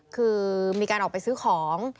คือมีการออกไปซื้อของ